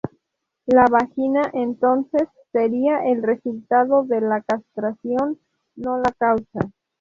La vagina, entonces, sería el resultado de la castración, no la causa.